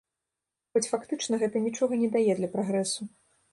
Хоць фактычна гэта нічога не дае для прагрэсу.